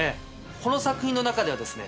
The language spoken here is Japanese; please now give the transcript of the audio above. この作品の中ではですね